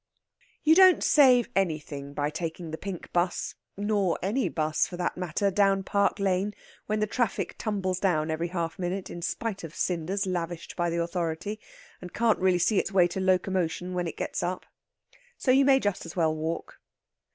You don't save anything by taking the pink 'bus, nor any 'bus for that matter, down Park Lane when the traffic tumbles down every half minute, in spite of cinders lavished by the authority, and can't really see its way to locomotion when it gets up. So you may just as well walk.